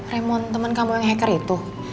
remote temen kamu yang hacker itu